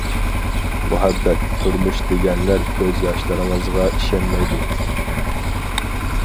مۇھەببەت، تۇرمۇش دېگەنلەر كۆز ياشلىرىڭىزغا ئىشەنمەيدۇ.